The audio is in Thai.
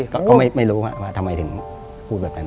ก็ไม่รู้ว่าทำไมถึงพูดแบบนั้น